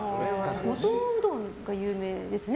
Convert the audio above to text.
五島うどんが有名ですよね。